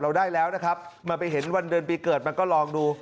เราได้แล้วมาไปเห็นวันเดือนปีเกิดมันก็ลองดู